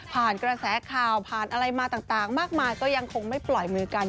กระแสข่าวผ่านอะไรมาต่างมากมายก็ยังคงไม่ปล่อยมือกัน